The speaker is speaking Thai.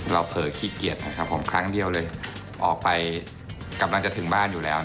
เผลอขี้เกียจนะครับผมครั้งเดียวเลยออกไปกำลังจะถึงบ้านอยู่แล้ว